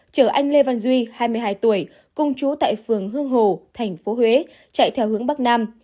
chở anh lê văn duy hai mươi hai tuổi cùng chú tại phường hương hồ thành phố huế chạy theo hướng bắc nam